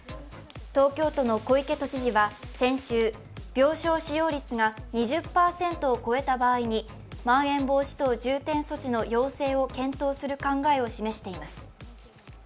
東京都の小池都知事は先週、病床使用率が２０％を超えた場合にまん延防止等重点措置の要請を検討する考えを示しています。